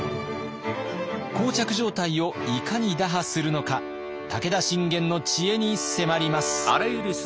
膠着状態をいかに打破するのか武田信玄の知恵に迫ります。